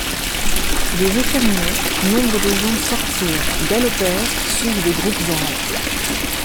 Des estaminets, nombre de gens sortirent, galopèrent, suivis de groupes en hâte.